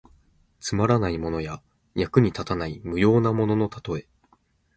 つまらないものや、役に立たない無用なもののたとえ。